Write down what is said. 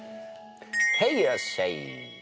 へいいらっしゃい！